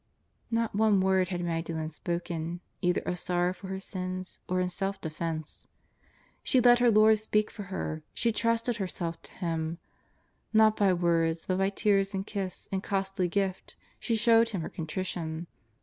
Not one word had ]Magdalen spoken, either of sor row for her sins or in self defence. She let her Lord speak for her, she trusted herself to Him. ISTot by words but by her tears, and kiss, and costly gift she showed Him her contrition.